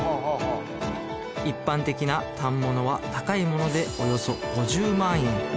一般的な反物は高い物でおよそ５０万円